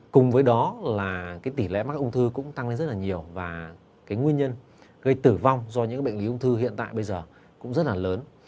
cùng với đó tỷ lệ mắc ung thư cũng tăng lên rất nhiều và nguyên nhân gây tử vong do những bệnh lý ung thư hiện tại bây giờ cũng rất lớn